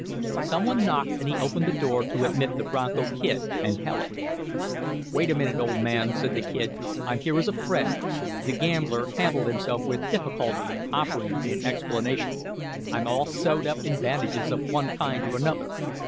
Some one knocked, and he opened the door to admit the Bronco Kid and Helen. "Wait a minute, old man," said the Kid. "I'm here as a friend." The gambler handled himself with difficulty, offering in explanation: "I'm all sewed up in bandages of one kind or another."